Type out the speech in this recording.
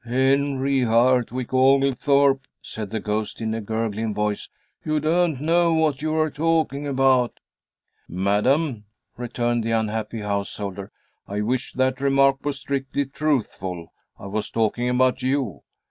"Henry Hartwick Oglethorpe," said the ghost, in a gurgling voice, "you don't know what you are talking about." "Madam," returned the unhappy householder, "I wish that remark were strictly truthful. I was talking about you.